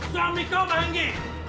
suami kau mahangi